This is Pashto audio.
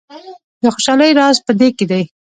د خوشحالۍ راز په دې کې دی.